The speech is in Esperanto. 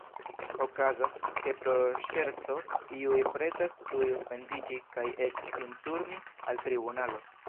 Okazas, ke pro ŝerco iuj pretas tuj ofendiĝi kaj eĉ sin turni al tribunalo.